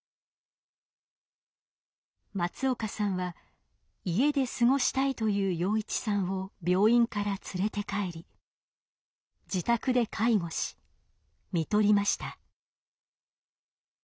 松岡さんは家で過ごしたいという陽一さんを病院から連れて帰り自宅で介護しみとりました。